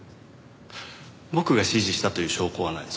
僕が指示したという証拠はない。